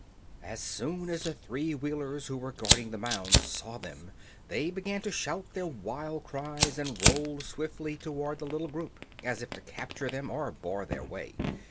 As soon as the three Wheelers who were guarding the mound saw them, they began to shout their wild cries and rolled swiftly toward the little group, as if to capture them or bar their way.